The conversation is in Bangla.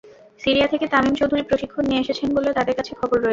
সিরিয়া থেকে তামিম চৌধুরী প্রশিক্ষণ নিয়ে এসেছেন বলে তাঁদের কাছে খবর রয়েছে।